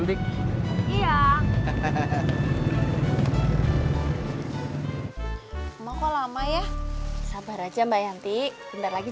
dua buah lima ratus mbak